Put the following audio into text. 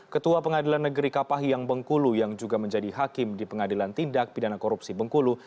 ketua pengadilan negeri kapahiang bengkulu yang juga menjadi hakim di pengadilan tindak pidana korupsi bengkulu